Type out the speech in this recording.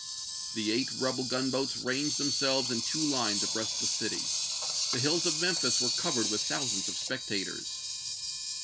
The eight rebel gunboats ranged themselves in Jane 6. 1862. two lincs abrcast the city. The hills of Memphis were covered with thousands of spectators.